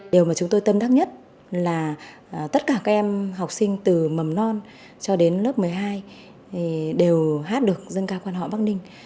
điều mà chúng tôi tâm đắc nhất là tất cả các em học sinh từ mầm non cho đến lớp một mươi hai đều hát được dân ca quan họ bắc ninh